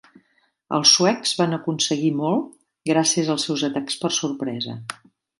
Els suecs van aconseguir molt gràcies als seus atacs per sorpresa.